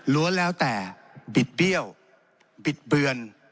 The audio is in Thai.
้วนแล้วแต่บิดเบี้ยวบิดเบือน